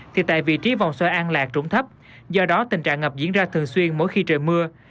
thì tại vị trí vòng xoay an lạc trũng thấp do đó tình trạng ngập diễn ra thường xuyên mỗi khi trời mưa